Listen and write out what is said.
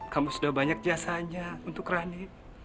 kamu sudah banyak jasanya untuk rani